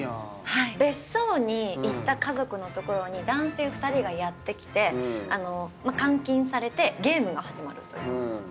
別荘に行った家族の所に男性２人がやって来て監禁されてゲームが始まるという。